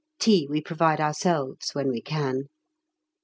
Tea we provide ourselves when we can.